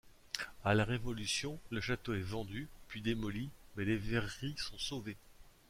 A la Révolution, le château est vendu puis démoli mais les verreries sont sauvées.